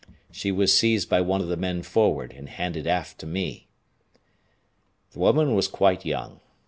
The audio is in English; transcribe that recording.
She was seized by one of the men forward, and handed aft to me. The woman was quite young.